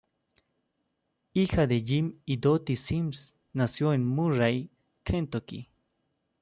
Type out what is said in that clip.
Hija de Jim y Dottie Sims, nació en Murray, Kentucky.